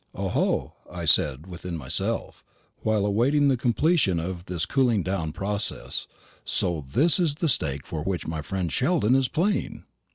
"O ho!" said I within myself, while awaiting the completion of this cooling down process; "so this is the stake for which my friend Sheldon is playing!"